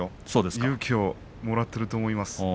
勇気をもらってると思います。